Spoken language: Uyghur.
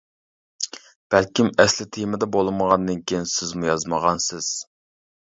بەلكىم ئەسلى تېمىدا بولمىغاندىكىن سىزمۇ يازمىغانسىز!